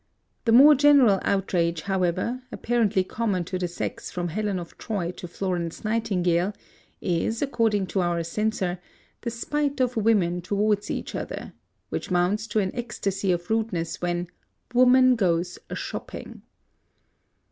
The more general outrage, however, apparently common to the sex from Helen of Troy to Florence Nightingale, is, according to our censor, the spite of women towards each other, which mounts into an ecstasy of rudeness when "woman goes a shopping."